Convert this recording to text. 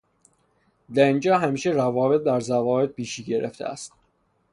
در اینجا همیشه روابط بر ضوابط پیشی گرفته است